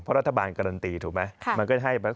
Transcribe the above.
เพราะรัฐบาลการันตีถูกไหม